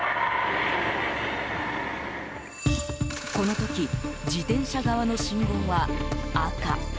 この時、自転車側の信号は赤。